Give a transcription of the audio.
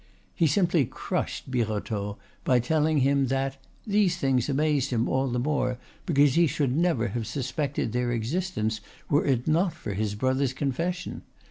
He simply crushed Birotteau by telling him that "these things amazed him all the more because he should never have suspected their existence were it not for his brother's confession.